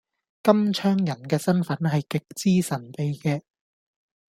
金槍人嘅身份係極之神秘嘅